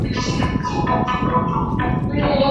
که ښه جوړ سي نو تلپاتې بڼه غوره کوي.